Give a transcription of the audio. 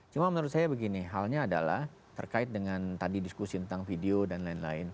cuma menurut saya begini halnya adalah terkait dengan tadi diskusi tentang video dan lain lain